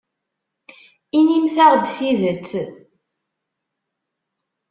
Inimt-aɣ-d tidet.